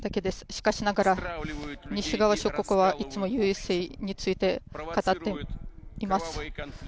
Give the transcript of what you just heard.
しかしながら西側諸国はいつもＵＳＡについて語っています。